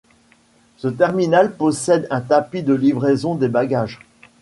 Ce terminal possède un tapis de livraison des bagages.